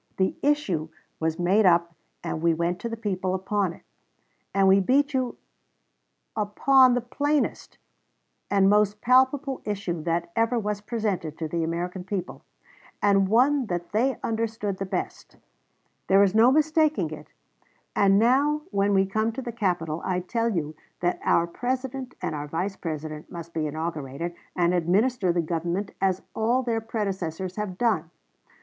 The issue was made up and we went to the people upon it; ... and we beat you upon the plainest and most palpable issue that ever was presented to the American people, and one that they understood the best. There is no mistaking it; and now when we come to the capitol, I tell you that our President and our Vice President must be inaugurated and administer the government as all their predecessors have done.